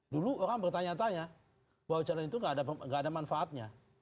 dulu orang bertanya tanya bahwa calon itu nggak ada manfaatnya